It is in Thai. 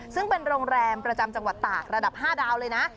ซึ่งเป็นโรงแรมประจำจังหวัดตากระดับ๕ดาวเลยนะ